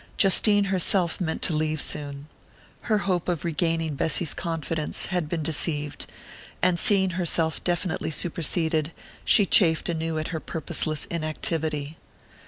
Justine herself meant to leave soon. Her hope of regaining Bessy's confidence had been deceived, and seeing herself definitely superseded, she chafed anew at her purposeless inactivity.